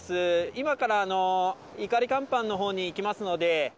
今からいかり甲板のほうに行きますので。